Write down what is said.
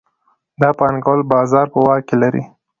دا پانګوال بازار په واک کې لري